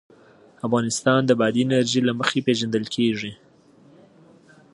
افغانستان د بادي انرژي له مخې پېژندل کېږي.